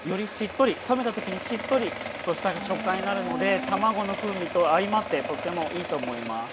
冷めた時にしっとりとした食感になるので卵の風味と相まってとってもいいと思います。